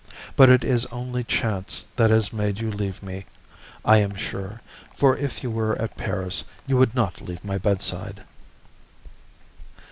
But it is only chance that has made you leave me, I am sure, for if you were at Paris, you would not leave my bedside.